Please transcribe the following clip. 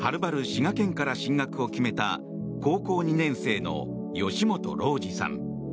滋賀県から進学を決めた高校２年生の吉本瀧侍さん。